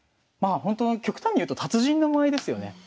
まあほんと極端に言うと達人の舞ですよね。